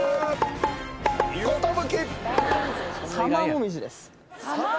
寿！